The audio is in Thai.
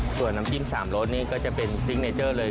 ส่วนน้ำจิ้ม๓รสนี่ก็จะเป็นซิกเนเจอร์เลย